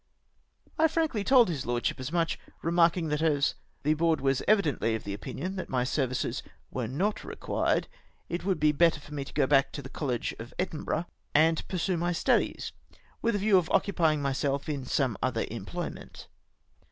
I frankly told his lordship as much, remarking that as " the Board was evidently of opinion that my ser vices were not required, it would be better for me to go back to the College of Edinburgh and pursue my studies, with a view of occupying myself in some other em plojmient."